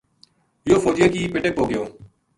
یوہ فوجیاں کی پٹک پو گیو